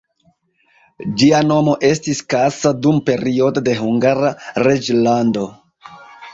Ĝia nomo estis Kassa dum periodo de Hungara reĝlando.